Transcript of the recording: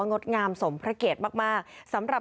ในเวลาเดิมคือ๑๕นาทีครับ